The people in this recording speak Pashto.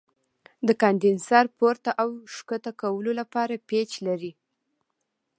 د کاندنسر پورته او ښکته کولو لپاره پیچ لري.